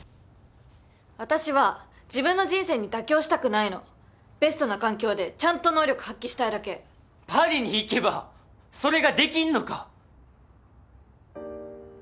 私は自分の人生に妥協したくないのベストな環境でちゃんと能力発揮したいだけパリに行けばそれができんのか？